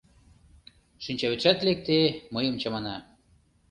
Шинчавӱдшат лекте, мыйым чамана.